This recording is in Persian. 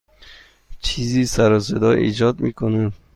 چیزی سر و صدا ایجاد می کند.